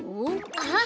あっ！